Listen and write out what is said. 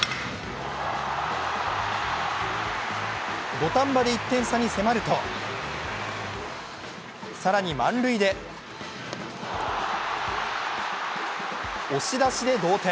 土壇場で１点差に迫ると更に満塁で押し出しで同点。